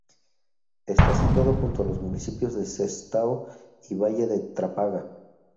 Está situado junto a los municipios de Sestao y Valle de Trápaga.